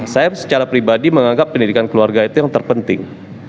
saya secara pribadi menganggap pendidikan keluarga itu yang terpenting